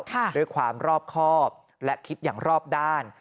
ด้วยความรอบครอบและคิดอย่างรอบด้าน